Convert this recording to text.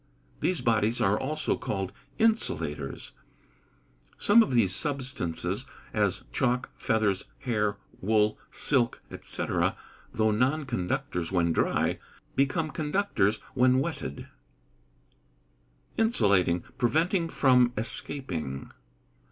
These bodies are also called insulators. Some of these substances, as chalk, feathers, hair, wool, silk, &c., though non conductors when dry, become conductors when wetted. Insulating preventing from escaping.